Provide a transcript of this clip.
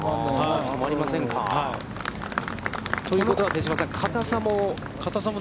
止まりませんか。ということは、手嶋さん、かたさも。